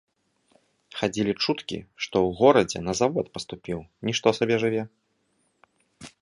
Хадзілі чуткі, што ў горадзе на завод паступіў, нішто сабе жыве.